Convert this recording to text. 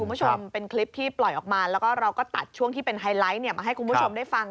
พ่อเห็นมันแพง